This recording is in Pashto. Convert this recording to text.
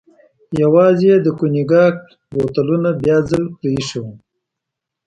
یوازې یې د کونیګاک بوتلونه بیا ځل پرې ایښي و.